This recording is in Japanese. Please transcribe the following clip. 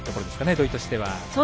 土居としては。